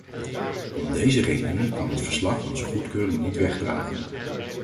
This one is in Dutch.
Om deze redenen kan het verslag onze goedkeuring niet wegdragen.